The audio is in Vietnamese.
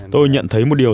tôi nhận thấy một điều